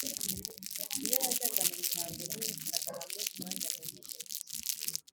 iyo yajyaga mu mihango ntiyicaraga hamwe umwanya munini